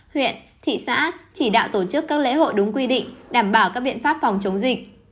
huyện thị xã chỉ đạo tổ chức các lễ hội đúng quy định đảm bảo các biện pháp phòng chống dịch